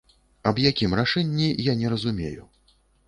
Аб якім рашэнні, я не разумею.